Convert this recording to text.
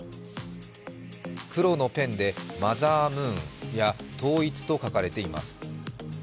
黒のペンで「マザームーン」や「統一」と書かれています。